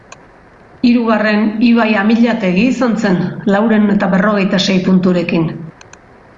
Hirugarren, Ibai Amillategi izan zen, laurehun eta berrogeita sei punturekin.